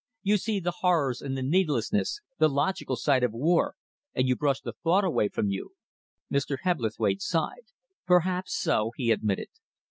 You see the horrors and the needlessness, the logical side of war, and you brush the thought away from you." Mr. Hebblethwaite sighed. "Perhaps so," he admitted.